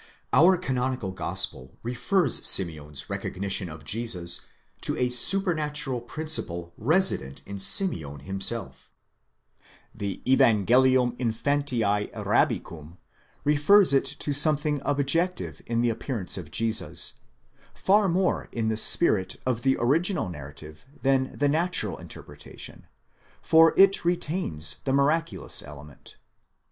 Our canonical Gospel refers Simeon's recognition of Jesus to a supernatural principle resident in Simeon himself ; the Zvangelium infantie arabicum refers it to something objective in the appearance of Jesus *—far more in the spirit of the original narrative than the natural interpretation, for it retains the miraculous element.